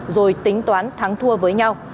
rồi tính toán thắng thua với nhau